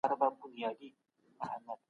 او پایله یې ډېره ښه شوه.